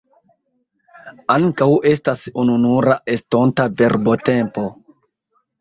Ankaŭ estas ununura estonta verbotempo.